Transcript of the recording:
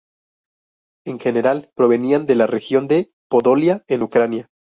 En general provenían de la región de Podolia en Ucrania.